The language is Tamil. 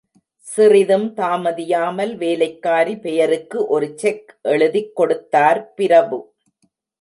சிறிதும் தாமதியாமல், வேலைக்காரி பெயருக்கு ஒரு செக் எழுதிக் கொடுத்தார் பிரபு.